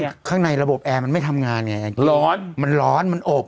ข้างในระบบแอร์มันไม่ทำงานไงร้อนมันร้อนมันอบ